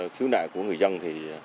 khiếu nại của người dân thì